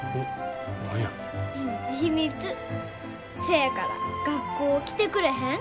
せやから学校来てくれへん？